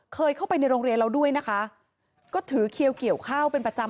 เคยเข้าไปในโรงเรียนเราด้วยนะคะก็ถือเขียวเกี่ยวข้าวเป็นประจำ